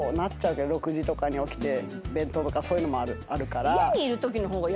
６時とかに起きて弁当とかそういうのもあるから。